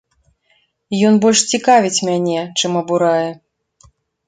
Ён больш цікавіць мяне, чым абурае.